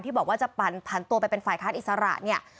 ที่บอกว่าจะผันตัวไปเป็นฝ่ายคลาดอิสระเนี่ย